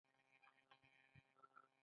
کاناډایی شرکتونه هلته کار کوي.